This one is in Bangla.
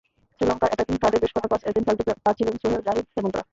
শ্রীলঙ্কার অ্যাটাকিং থার্ডে বেশ কটা পাস এদিন খেলতে পারছিলেন সোহেল, জাহিদ, হেমন্তরা।